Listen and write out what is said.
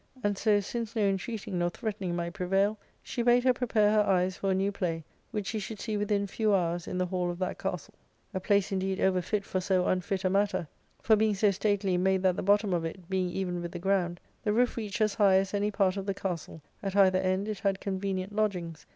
And so, since no intreating nor threatening might prevail, she bad her prepare her eyes for a new play, which she should see within few hours in the hall of that castle. A place indeed over fit for so linfit a matter ; for being so stately made that the bottom of.it being even with the ground, the roof reached as high as any part of the castle, at either end it had convenient lodgings.